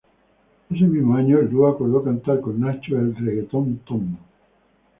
Ese mismo año, el dúo acordó cantar con Nacho el "Reggaeton ton".